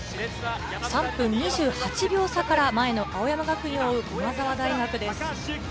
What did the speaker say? ３分２８秒差から前の青山学院を追う駒澤大学です。